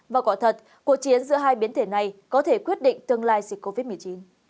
và quả thật cuộc chiến giữa hai biến thể này có thể quyết định tương lai dịch covid một mươi chín